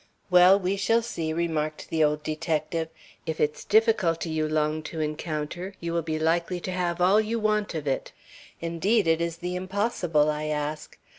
"Well, we shall see," remarked the old detective. "If it's difficulty you long to encounter, you will be likely to have all you want of it. Indeed, it is the impossible I ask.